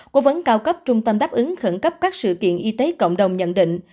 cố vấn cao cấp trung tâm đáp ứng khẩn cấp các sự kiện y tế cộng đồng nhận định